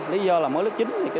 lý do là mới lớp chín